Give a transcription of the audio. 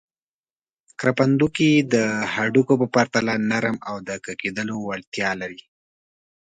کرپندوکي د هډوکو په پرتله نرم او د کږېدلو وړتیا لري.